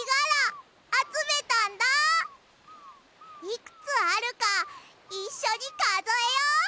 いくつあるかいっしょにかぞえよ！